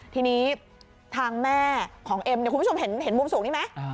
ทีนี้ทางแม่ของเอ็มเนี่ยคุณผู้ชมเห็นมุมสูงนี้ไหม